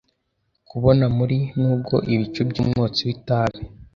kubona muri, nubwo ibicu byumwotsi w itabi.